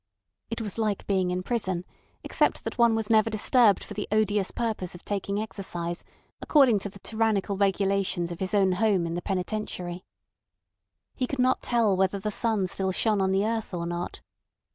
It was like being in prison, except that one was never disturbed for the odious purpose of taking exercise according to the tyrannical regulations of his old home in the penitentiary. He could not tell whether the sun still shone on the earth or not.